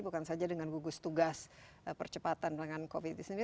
bukan saja dengan gugus tugas percepatan dengan covid itu sendiri